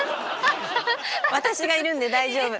私がいるんで大丈夫。